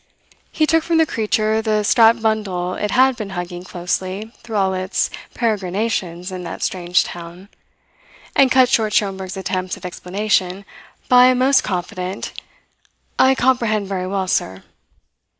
He took from the creature the strapped bundle it had been hugging closely through all its peregrinations in that strange town, and cut short Schomberg's attempts at explanation by a most confident "I comprehend very well, sir."